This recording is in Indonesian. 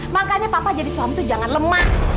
makanya papa jadi suami tuh jangan lemah